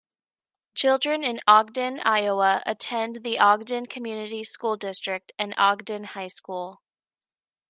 Children in Ogden, Iowa attend the Ogden Community School District and Ogden High School.